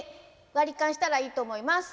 割り勘したらいいと思います。